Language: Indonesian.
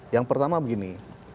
yang pertama begini